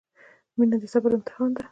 • مینه د صبر امتحان دی.